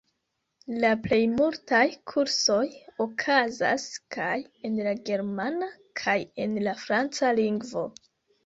La plej multaj kursoj okazas kaj en la germana kaj en la franca lingvo.